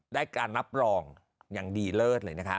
การรับรองอย่างดีเลิศเลยนะคะ